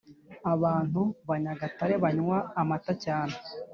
Abantu banyagatare banywa amata cyane